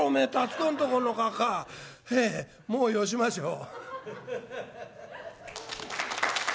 「へえもうよしましょう」。